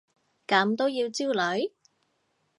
咁都要焦慮？